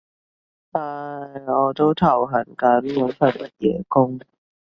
唉，我都頭痕緊揾份乜嘢工